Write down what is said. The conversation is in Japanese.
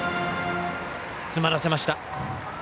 詰まらせました。